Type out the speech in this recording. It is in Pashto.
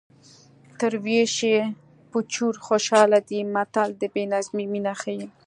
تر وېش یې په چور خوشحاله دی متل د بې نظمۍ مینه ښيي